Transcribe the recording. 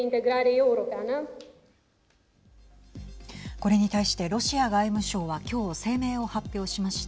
これに対してロシア外務省は今日、声明を発表しました。